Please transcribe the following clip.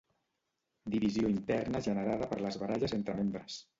Divisió interna generada per les baralles entre membres.